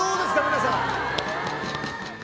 皆さん！